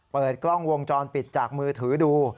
เปิดกล้องวงจรปิดจากมือถือดู